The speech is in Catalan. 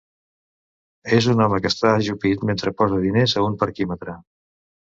És un home que està ajupit mentre posa diners a un parquímetre.